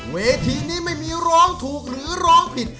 เวทีนี้ไม่มีร้องถูกหรือร้องผิด